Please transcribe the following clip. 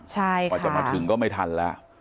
ใช่ค่ะกว่าจะมาถึงก็ไม่ทันแล้ว